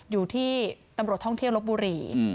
อยู่ที่ตำรวจท่องเที่ยวลบบุรี